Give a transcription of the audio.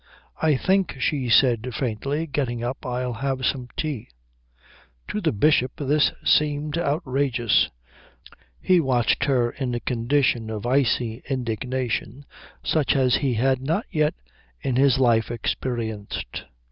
"I think," she said faintly, getting up again, "I'll have some tea." To the Bishop this seemed outrageous. He watched her in a condition of icy indignation such as he had not yet in his life experienced.